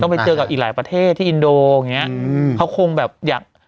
ไปเจอกับอีกหลายประเทศที่อินโดอย่างเงี้ยอืมเขาคงแบบอยาก